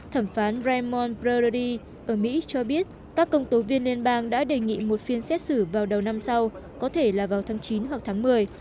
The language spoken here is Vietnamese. thẩm phán raymond pradi ở mỹ cho biết các công tố viên liên bang đã đề nghị một phiên xét xử vào đầu năm sau có thể là vào tháng chín hoặc tháng một mươi